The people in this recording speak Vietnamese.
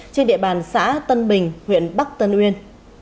trên địa bàn xã tân bình huyện bắc tân uyên